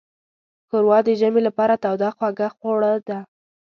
ښوروا د ژمي لپاره توده خوږه خوړو ده.